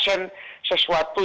sesuatu yang bisa dikonsumsi